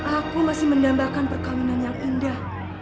aku masih mendambakan perkawinan yang indah